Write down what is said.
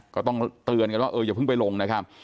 ก็ต้องเตือนกันว่าเอออย่าเพิ่งไปลงนะครับ